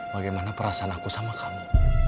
bagaimana perasaan aku sama kamu